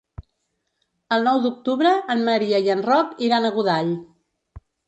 El nou d'octubre en Maria i en Roc iran a Godall.